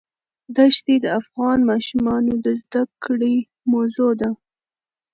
دښتې د افغان ماشومانو د زده کړې موضوع ده.